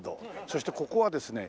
そしてここはですね